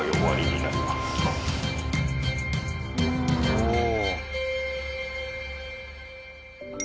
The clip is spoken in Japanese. おお。